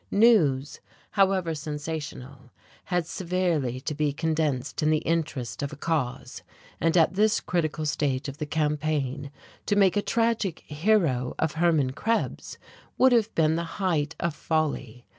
News, however sensational, had severely to be condensed in the interest of a cause, and at this critical stage of the campaign to make a tragic hero of Hermann Krebs would have been the height of folly.